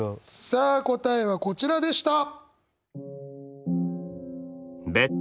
さあ答えはこちらでした！